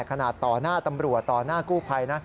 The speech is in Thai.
ขนาดต่อหน้าตำรวจต่อหน้ากู้ภัยนะ